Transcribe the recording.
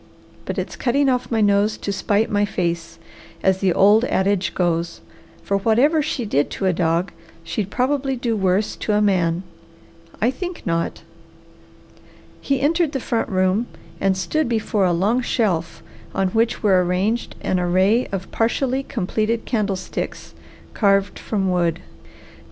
But it's cutting off my nose to spite my face, as the old adage goes, for whatever she did to a dog, she'd probably do worse to a man. I think not!" He entered the front room and stood before a long shelf on which were arranged an array of partially completed candlesticks carved from wood.